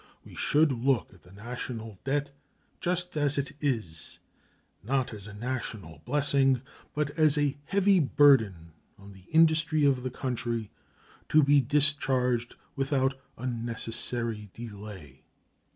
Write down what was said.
We should look at the national debt just as it is not as a national blessing, but as a heavy burden on the industry of the country, to be discharged without unnecessary delay.